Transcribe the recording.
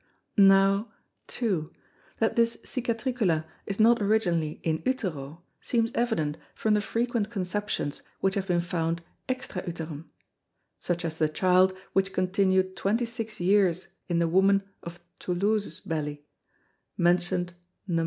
Now, 2. That this Cicatricula is not originally in Utero, seems evident from the frequent Conceptions which have been found extra Uterum: Such as the Child which continued Twenty six Years in the Woman of Tholouse's Belly, mention'd _Numb.